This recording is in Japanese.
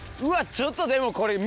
ちょっとでもこれ。